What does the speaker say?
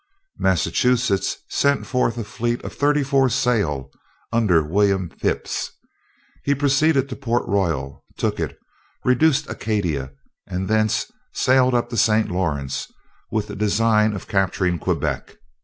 Massachusetts sent forth a fleet of thirty four sail, under William Phipps. He proceeded to Port Royal, took it, reduced Acadia, and thence sailed up the St. Lawrence, with the design of capturing Quebec.